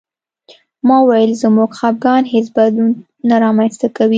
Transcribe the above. ما وویل زموږ خپګان هېڅ بدلون نه رامنځته کوي